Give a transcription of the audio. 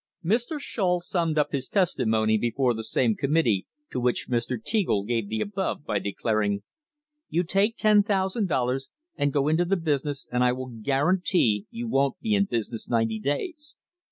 Mr. Shull summed up his testimony before the same com mittee to which Mr. Teagle gave the above, by declaring: "You take $10,000 and go into the business and I will guaran tee you won't be in business ninety days.